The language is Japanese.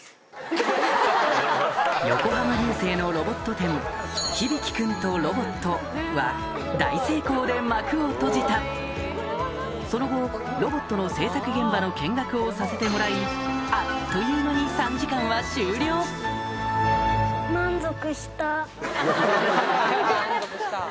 横浜流星のロボット展で幕を閉じたその後ロボットの製作現場の見学をさせてもらいあっという間に３時間は終了ハハハ！